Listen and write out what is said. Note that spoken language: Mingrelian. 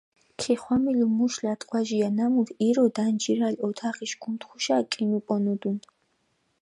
ქიხვამილუ მუშ ლატყვაჟია, ნამუთ ირო დანჯირალ ოთახუშ კუნთხუშა კინუპონუდუნ.